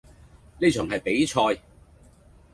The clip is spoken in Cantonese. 呢場係比賽